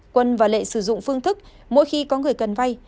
quân và lệ sử dụng phương thức mỗi khi có người cần vay